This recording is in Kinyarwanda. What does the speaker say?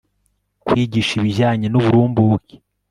kwigisha ibijyanye n uburumbuke